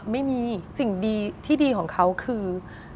ไม่มีสิ่งดีที่ดีของเขาคือ